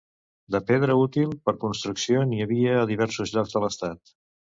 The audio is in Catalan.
De pedra útil per construcció n'hi havia a diversos llocs de l'estat.